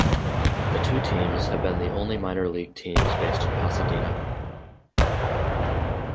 The two teams have been the only minor league teams based in Pasadena.